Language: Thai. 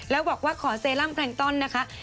แล้วบอกว่าขอเซรั่มแพลงต้อนนะคะ